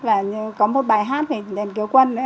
và có một bài hát về đèn kéo quân